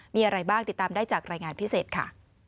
มีอะไรบ้างติดตามได้จากรายงานพิเศษค่ะ